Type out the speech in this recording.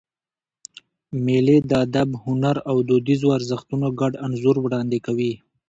مېلې د ادب، هنر او دودیزو ارزښتونو ګډ انځور وړاندي کوي.